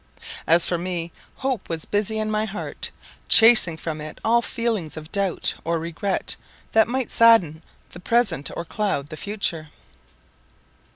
As for me Hope was busy in my heart, chasing from it all feelings of doubt or regret that might sadden the present or cloud the future.